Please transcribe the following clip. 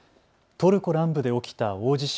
トルコ南部で起きた大地震。